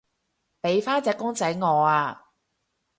畀返隻公仔我啊